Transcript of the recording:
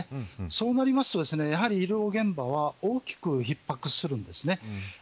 そうなりますとやはり医療現場は大きく逼迫するんですね。